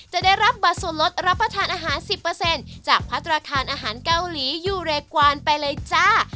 จะได้รับบัตรส่วนลดรับประทานอาหาร๑๐จากพัฒนาคารอาหารเกาหลียูเรกวานไปเลยจ้า